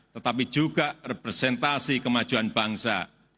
tetapi juga representasi kemajuan bangsa